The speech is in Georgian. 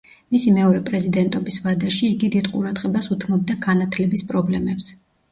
მისი მეორე პრეზიდენტობის ვადაში იგი დიდ ყურადღებას უთმობდა განათლების პრობლემებს.